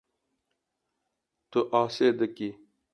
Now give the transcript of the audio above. Tu asê dikî.